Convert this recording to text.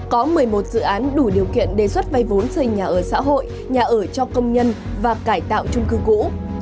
có một mươi một dự án đủ điều kiện đề xuất vay vốn xây nhà ở xã hội nhà ở cho công nhân và cải tạo trung cư cũ